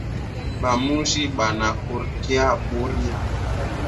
Ba mushi bana kuryaka byura